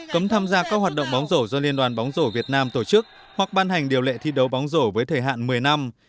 cấm tham gia các hoạt động bóng rổ do liên đoàn bóng rổ việt nam tổ chức hoặc ban hành điều lệ thi đấu bóng rổ với thời hạn một mươi năm